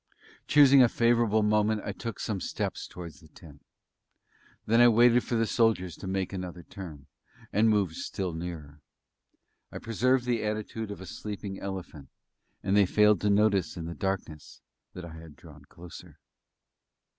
Choosing a favourable moment I took some steps towards the tent. Then I waited for the soldiers to make another turn and moved still nearer. I preserved the attitude of a sleeping elephant; and they failed to notice in the darkness that I had drawn closer.